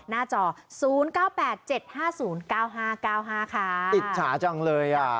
หน้าจอศูนย์เก้าแปดเจ็ดห้าศูนย์เก้าห้าเก้าห้าค่ะอิจฉาจังเลยอ่ะ